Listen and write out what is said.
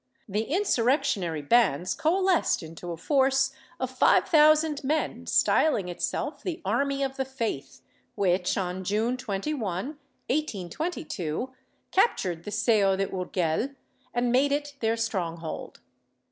The insurrectionary bands coalesced into a force of five thousand men styling itself the Army of the Faith which, on June 21, 1822, captured the Seo de Urgel and made it their stronghold.